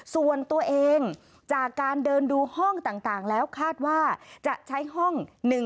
ส่วนตัวเองจากการเดินดูห้องต่างแล้วคาดว่าจะใช้ห้อง